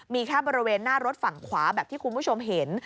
มีแค่บริเวณหน้ารถฝั่งขวาแบบที่คุณผู้ชมเห็น